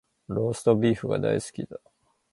ローストビーフが大好きだ